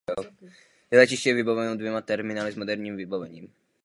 Letiště je vybaveno dvěma terminály s moderním vybavením.